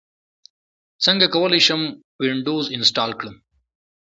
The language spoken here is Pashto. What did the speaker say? څنګه کولی شم وینډوز انسټال کړم